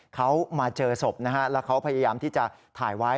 เขามาเจอศพนะฮะแล้วเขาพยายามที่จะถ่ายไว้